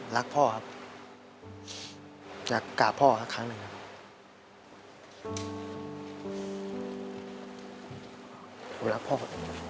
รักพ่อครับ